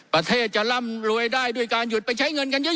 ประเทศจะร่ำรวยได้ด้วยการหยุดไปใช้เงินกันเยอะ